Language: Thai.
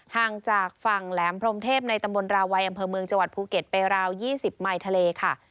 ห่างจากฝั่งแหลมพรมเทพในตำบลราวัยอำเภอเมืองจังหวัดภูเก็ตไปราว๒๐ไมค์ทะเลค่ะ